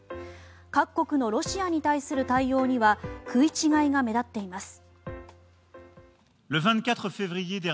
各国のロシアに対する対応には食い違いが目立っています。